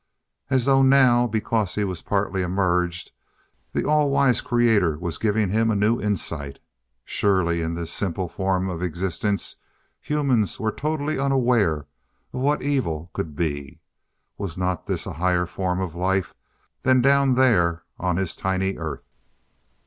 As though now, because he was partly emerged, the all wise Creator was giving him a new insight. Surely in this simple form of existence humans were totally unaware of what evil could be. Was not this a higher form of life than down there on his tiny Earth?